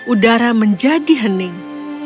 udara menjadi hening